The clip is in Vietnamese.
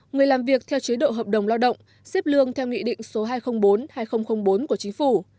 người làm việc theo chế độ hợp đồng lao động xếp lương theo nghị định số hai trăm linh bốn hai nghìn bốn của chính phủ